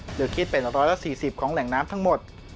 หรือคิดเป็น๑๔๐ของแหล่งน้ำทั้งหมด